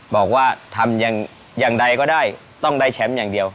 บอกว่าทำอย่างใดก็ได้ต้องได้แชมป์อย่างเดียว